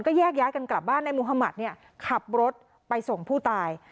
แยกย้ายกันกลับบ้านในมุธมัติเนี่ยขับรถไปส่งผู้ตาย